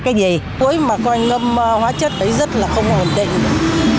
cuối mà cô anh ngâm hóa chất ấy rất là không ổn định